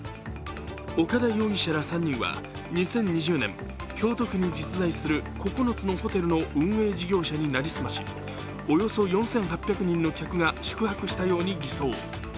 岡田容疑者ら３人は、２０２０年京都府に実在する９つのホテルの運営事業者に成り済ましおよそ４８００人の客が宿泊したように偽装。